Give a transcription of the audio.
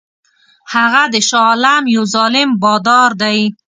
هغه د شاه عالم یو ظالم بادار دی.